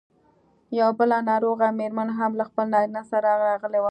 یوه بله ناروغه مېرمن هم له خپل نارینه سره راغلې وه.